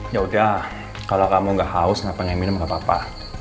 yaudah kalau kamu gak haus gak pengen minum gak apa apa